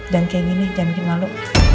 jangan kayak gini jangan jadi malu